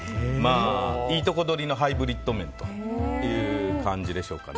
いいとこ取りのハイブリッド麺という感じでしょうか。